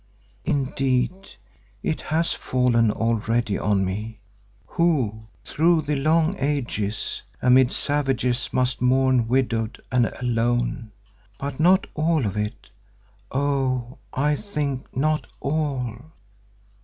Indeed, it has fallen already on me, who through the long ages amid savages must mourn widowed and alone, but not all of it—oh! I think, not all."